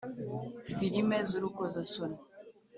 Firime zurukozasoni.